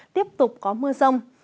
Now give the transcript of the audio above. tiếp tục có mưa rông